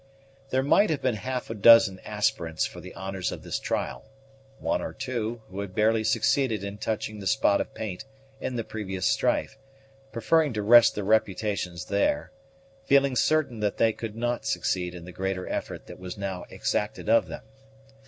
There might have been half a dozen aspirants for the honors of this trial; one or two, who had barely succeeded in touching the spot of paint in the previous strife, preferring to rest their reputations there, feeling certain that they could not succeed in the greater effort that was now exacted of them.